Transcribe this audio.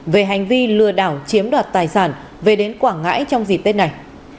về hành vi lừa đảo chiếm đoạt tài sản về đến quảng ngãi trong dịp tết này